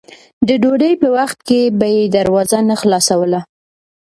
د ډوډۍ په وخت کې به یې دروازه نه خلاصوله.